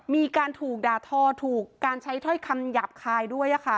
มีการถูกด่าทอถูกการใช้ถ้อยคำหยาบคายด้วย